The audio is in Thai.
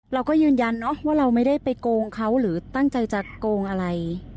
เราก็ยืนยันเนอะว่าเราไม่ได้ไปโกงเขาหรือตั้งใจจะโกงอะไร